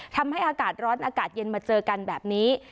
ทำให้อากาศร้อนอากาศเย็นมาเจอกันแบบนี้